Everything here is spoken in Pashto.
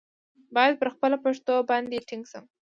باید پر خپله پښتو باندې ټینګ شم.